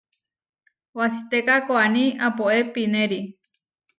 Wasitéka koaní apoé pinéri.